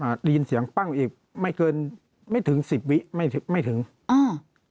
ได้ยินเสียงปั้งอีกไม่เกินไม่ถึงสิบวิไม่ไม่ถึงอ่า